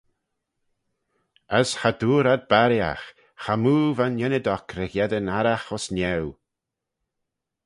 As cha dooar ad barriaght, chamoo va'n ynnyd oc ry-gheddyn arragh ayns niau.